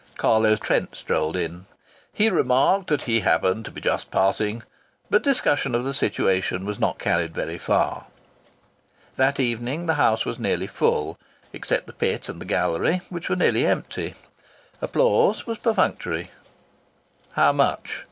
Carlo Trent strolled in; he remarked that he happened to be just passing. But discussion of the situation was not carried very far. That evening the house was nearly full, except the pit and the gallery, which were nearly empty. Applause was perfunctory. "How much?"